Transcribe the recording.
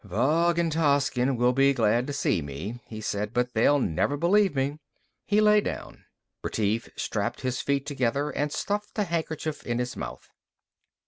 "Vug and Toscin will be glad to see me," he said. "But they'll never believe me." He lay down. Retief strapped his feet together and stuffed a handkerchief in his mouth.